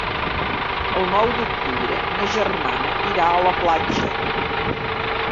El nou d'octubre ma germana irà a la platja.